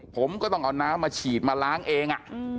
ผมก็ต้องเอาน้ำมาฉีดมาล้างเอง